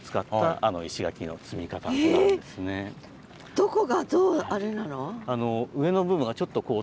どこがどうあれなの？